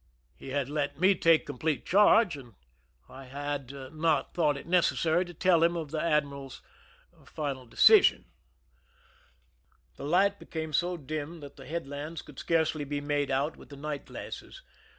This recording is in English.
He had let me take complete charge, and I had not thought it necessary to tell him of the admiral's final decision. 56 THE SCHEME AND THE PEEPARATIONS The lighl; became so dim that the headlands could scarcely be made out with the night glasses.